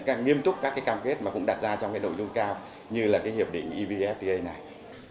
càng nghiêm túc các cam kết mà cũng đạt ra trong nội dung cao như hiệp định evfta này